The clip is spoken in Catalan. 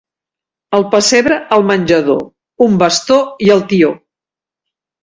El pessebre al menjador, un bastó i el Tió.